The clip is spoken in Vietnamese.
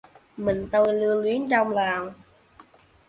Mình tôi lưu luyến trong lòng.